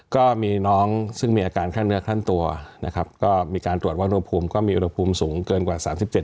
ก็มีน้องซึ่งมีอาการขั้นเนื้อขั้นตัวนะครับก็มีการตรวจว่าอุณหภูมิก็มีอุณหภูมิสูงเกินกว่าสามสิบเจ็ด